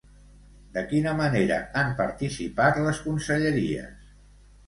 De quina manera han participat les conselleries?